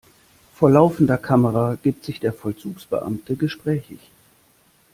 Vor laufender Kamera gibt sich der Vollzugsbeamte gesprächig.